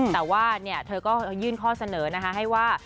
แต่ว่าเธอก็ยื่นข้อเสนอนะคะให้ว่า